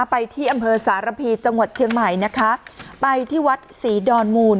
ไปที่อำเภอสารพีจังหวัดเชียงใหม่นะคะไปที่วัดศรีดอนมูล